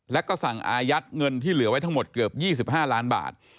แล้วก็สั่งอายัดเงินที่เหลือไว้ทั้งหมดเกือบ๒๕ล้านบาท